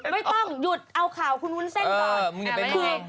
ไม่ต้องหยุดเอาข่าวคุณวุ้นเส้นก่อน